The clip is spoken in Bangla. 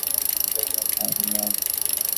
মুক্তিয়ার কহিল, হাঁ মহারাজ।